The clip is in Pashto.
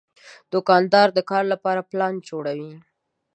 دوکاندار د کار لپاره پلان جوړوي.